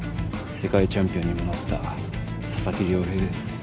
世界チャンピオンにもなった佐々木涼平です